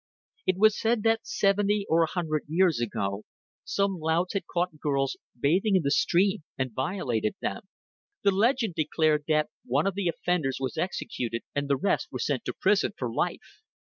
It was said that seventy or a hundred years ago some louts had caught girls bathing in the stream and violated them. The legend declared that one of the offenders was executed and the rest were sent to prison for life.